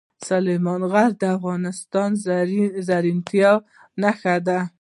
سلیمان غر د افغانستان د زرغونتیا نښه ده.